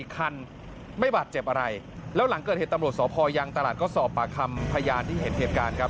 ตำรวจสพอยังตลาดก็สอบปากคำพยานที่เห็นเหตุการณ์ครับ